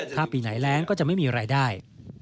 ถ้าปีไหนแรงก็จะไม่มีรายได้